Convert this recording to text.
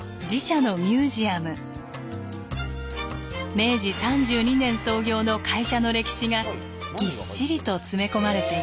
明治３２年創業の会社の歴史がぎっしりと詰め込まれています。